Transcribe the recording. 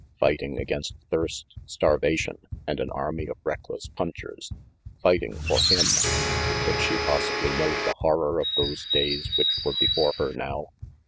Fighting against thirst, starvation, and an army of reckless punchers. Fighting for him. Could she possibly know the horror of those days which were before her now?